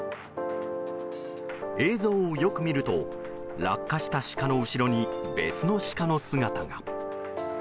映像をよく見ると落下したシカの後ろに別のシカの姿が。